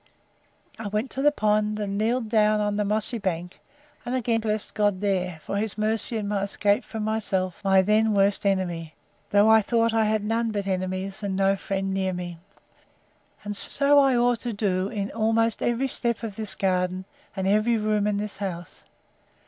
I went to the pond, and kneeled down on the mossy bank, and again blessed God there, for his mercy in my escape from myself, my then worst enemy, though I thought I had none but enemies, and no friend near me. And so I ought to do in almost every step of this garden, and every room in this house!